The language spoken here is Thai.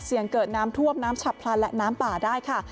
เกิดน้ำท่วมน้ำฉับพลันและน้ำป่าได้ค่ะ